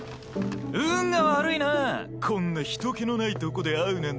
運が悪いなこんな人けのないとこで会うなんて。